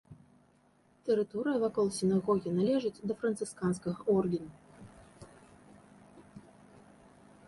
Тэрыторыя вакол сінагогі належыць да францысканскага ордэна.